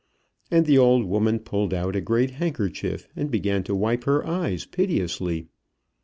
And the old woman pulled out a great handkerchief, and began to wipe her eyes piteously.